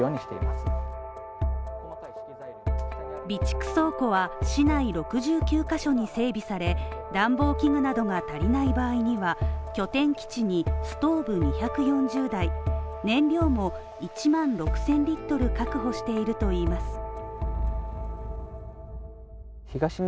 備蓄倉庫は市内６９カ所に整備され、暖房器具などが足りない場合には拠点基地にストーブ２４０台燃料も１万６０００リットル確保しているといいます。